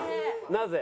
なぜ？